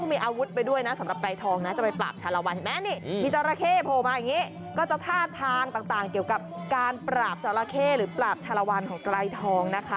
การปราบเจาระเขตหรือปราบชารวรรต์ของไกรทอง